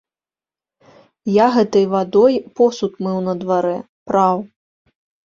Я гэтай вадой посуд мыў на дварэ, праў.